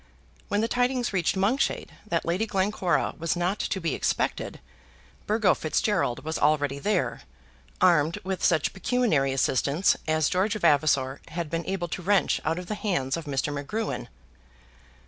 When the tidings reached Monkshade that Lady Glencora was not to be expected, Burgo Fitzgerald was already there, armed with such pecuniary assistance as George Vavasor had been able to wrench out of the hands of Mr. Magruin.